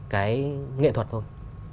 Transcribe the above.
cái nghệ thuật thôi